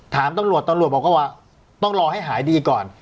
ถามตำรวจตำรวจบอกว่าต้องรอให้หายดีก่อน